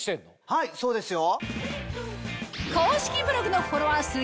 はいそうですよ。